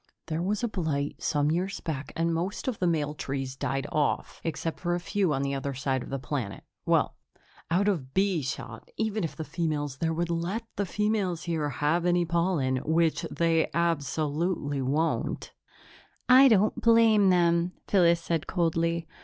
"There was a blight some years back and most of the male trees died off, except for a few on the other side of the planet well out of bee shot, even if the females there would let the females here have any pollen, which they absolutely won't." "I don't blame them," Phyllis said coldly.